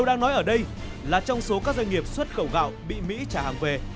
đây là trong số các doanh nghiệp xuất khẩu gạo bị mỹ trả hàng về